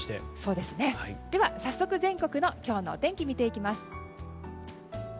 では早速、全国の今日のお天気見ていきます。